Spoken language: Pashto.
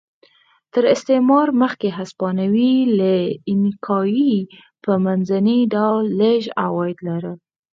تر استعمار مخکې هسپانوي له اینکایي په منځني ډول لږ عواید لرل.